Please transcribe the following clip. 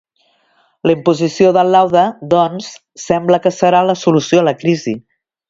La imposició del laude, doncs, sembla que serà la solució a la crisi.